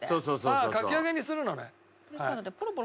ああかき揚げにするのね。